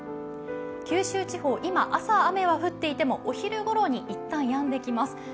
九州地方、朝、雨が降っていてもお昼ごろに一旦やんできます。